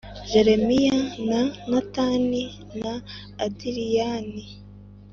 Jelemiya na Natani na Adiriyani.